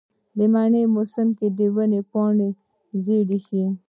د منې موسم کې د ونو پاڼې ژیړې شي.